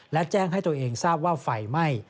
และแจ้งให้ตัวเองทราบว่าไฟไหม้